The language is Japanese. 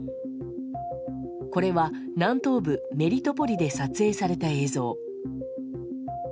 これは、南東部メリトポリで撮影された映像。